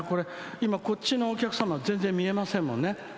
今、こっちのお客様は全然見えませんもんね。